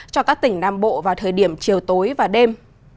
cho các tỉnh nam bộ vào thời điểm chiều tối và đêm